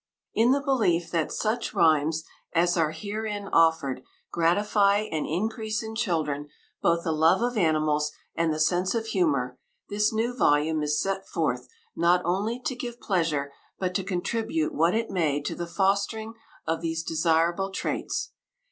In the belief that such rhymes as are herein offered gratify and increase in children both the love of animals and the sense of humor, this new volume is sent forth not only to give pleasure, but to contribute what it may to the fostering of these desirable traits.